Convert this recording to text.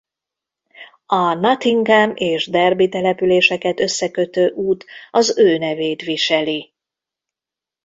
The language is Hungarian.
A Nottingham és Derby településeket összekötő út az ő nevét viseli.